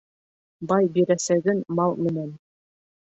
Бай бирәсәген мал менән